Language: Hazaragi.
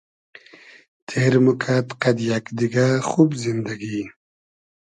تېر موکئد قئد یئگ دیگۂ خوب زیندئگی